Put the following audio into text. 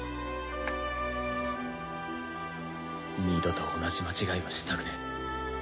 二度と同じ間違いはしたくねえ。